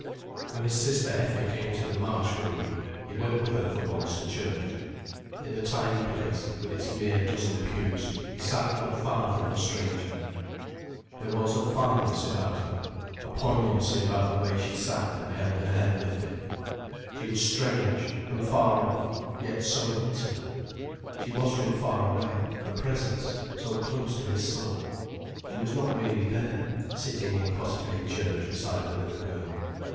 When his sister Effie came to the Marsh for a week, he went with her for once to church. In the tiny place, with its mere dozen pews, he sat not far from the stranger. There was a fineness about her, a poignancy about the way she sat and held her head lifted. She was strange, from far off, yet so intimate. She was from far away, a presence, so close to his soul. She was not really there, sitting in Cossethay church beside her little girl.